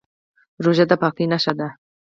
روژه د پاکۍ نښه ده.